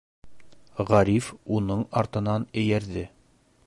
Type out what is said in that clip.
Ғариф уның артынан эйәрҙе.